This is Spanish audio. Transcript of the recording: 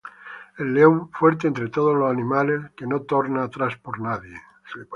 El león, fuerte entre todos los animales, Que no torna atrás por nadie;